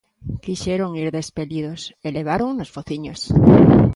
Quixeron ir de espelidos e levaron nos fociños.